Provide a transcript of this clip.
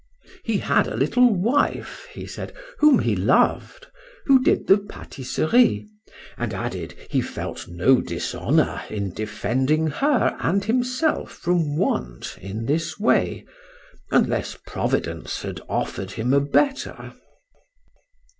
He had a little wife, he said, whom he loved, who did the pâtisserie; and added, he felt no dishonour in defending her and himself from want in this way—unless Providence had offer'd him a better.